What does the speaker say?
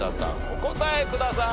お答えください。